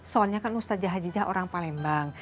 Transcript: soalnya kan ustaz jahajijah orang palembang